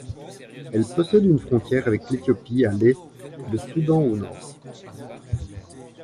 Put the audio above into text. Elle possède une frontière avec l'Éthiopie à l'est et le Soudan au nord.